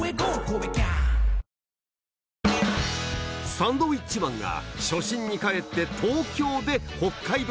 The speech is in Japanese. サンドウィッチマンが初心に帰って東京で北海道